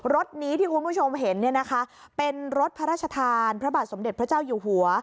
รถนี้ที่คุณผู้ชมเห็นเนี่ยนะคะเป็นรถพระราชทานพระบาทสมเด็จพระเจ้าอยู่หัว